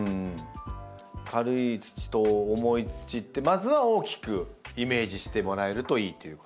軽い土と重い土ってまずは大きくイメージしてもらえるといいっていうこと。